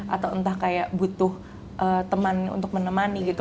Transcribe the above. atau entah kayak butuh teman untuk menemani gitu